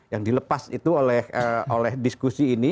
yang dilepas itu oleh diskusi ini